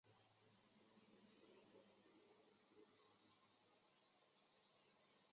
科济莫杰米亚诺夫卡村委员会是俄罗斯联邦阿穆尔州坦波夫卡区所属的一个村委员会。